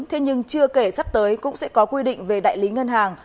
thế nhưng chưa kể sắp tới cũng sẽ có quy định về đại lý ngân hàng